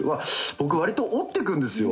僕わりと折っていくんですよ